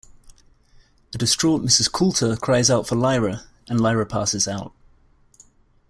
A distraught Mrs. Coulter cries out for Lyra, and Lyra passes out.